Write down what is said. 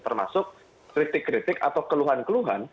termasuk kritik kritik atau keluhan keluhan